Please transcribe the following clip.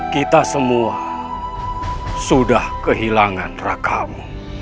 kita semua sudah kehilangan rakamu